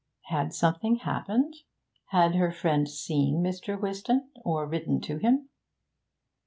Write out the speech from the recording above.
Had something happened? Had her friend seen Mr. Whiston, or written to him?